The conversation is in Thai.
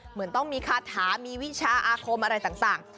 เหมือนต้องมีคาถามีวิชาอาคมอะไรต่าง